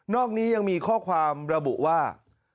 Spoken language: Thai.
อกนี้ยังมีข้อความระบุว่า